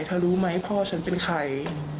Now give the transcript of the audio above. รู้ไหมพ่อฉันเป็นใคร